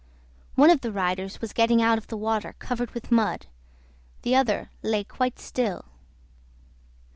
One of the riders was getting out of the water covered with mud, the other lay quite still.